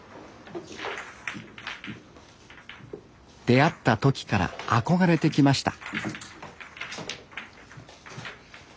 出会った時から憧れてきました